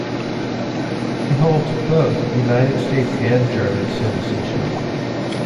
He holds both United States and German citizenship.